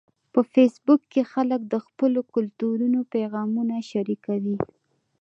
په فېسبوک کې خلک د خپلو کلتورونو پیغامونه شریکوي